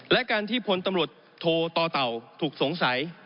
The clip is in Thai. และการที่พลตำรวจโทต่อเต่าถูกสงสัย